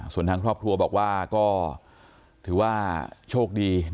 ส่วนทางครอบครัวบอกว่าก็ถือว่าโชคดี